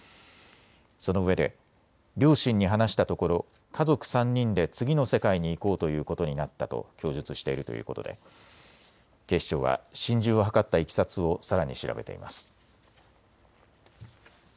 そのうえで両親に話したところ家族３人で次の世界に行こうということになったと供述しているということで警視庁は心中を図ったいきさつをさらに調べています。